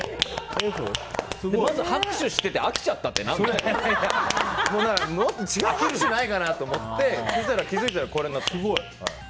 まず拍手してて飽きちゃったってもっと違う拍手ないかなと思って気づいたらこれになってました。